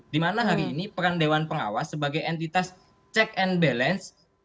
dimana hari ini peran dewan pengawas sebagai entitas check and balance